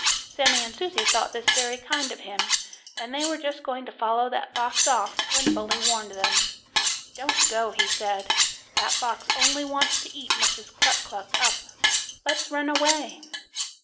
Sammie and Susie thought this very kind of him, and they were just going to follow that fox off when Bully warned them: "Don't go," he said; "that fox only wants to eat Mrs. Cluck Cluck up. Let's run away."